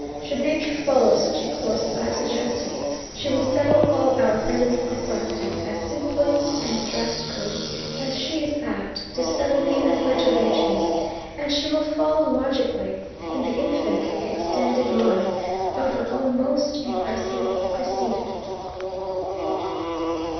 Should Nature follow such a course as I have suggested, she will settle all our present perplexities as simply and as drastically as she is apt to settle human perturbations, and she will follow logically in the infinitely extended line of her own most impressive precedents.